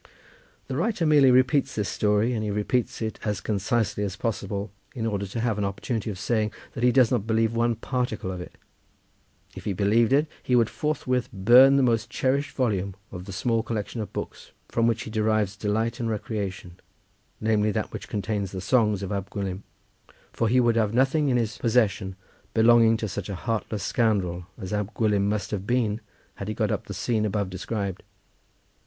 The writer merely repeats this story, and he repeats it as concisely as possible, in order to have an opportunity of saying that he does not believe one particle of it. If he believed it he would forthwith burn the most cherished volume of the small collection of books from which he derives delight and recreation, namely, that which contains the songs of Ab Gwilym, for he would have nothing in his possession belonging to such a heartless scoundrel as Ab Gwilym must have been had he got up the scene above described.